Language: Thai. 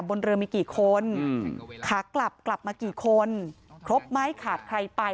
บนเรือมีกี่คนขากลับกลับมากี่คนครบไหมขาดใครไป